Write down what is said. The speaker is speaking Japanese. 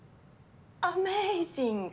アメイジング！